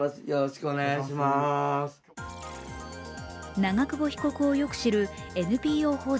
長久保被告をよく知るＮＰＯ法人